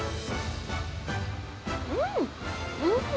うん！